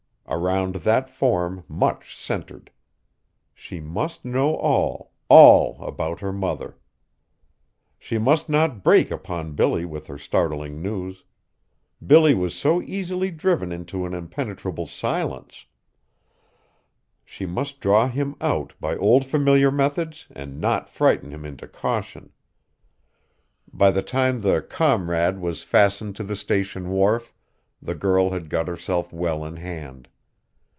Around that form much centred! She must know all all, about her mother. She must not break upon Billy with her startling news. Billy was so easily driven into an impenetrable silence! She must draw him out by old familiar methods and not frighten him into caution. By the time the Comrade was fastened to the Station wharf, the girl had got herself well in hand.